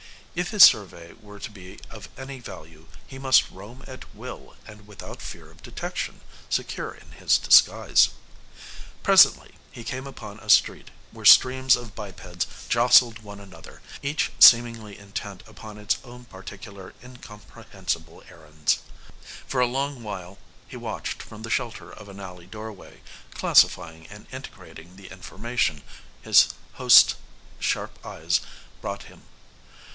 If his survey were to be of any value, he must roam at will and without fear of detection, secure in his disguise. Presently he came upon a street where streams of bipeds jostled one another, each seemingly intent upon its own particular incomprehensible errands. For a long while he watched from the shelter of an alley doorway, classifying and integrating the information his host's sharp eyes brought him.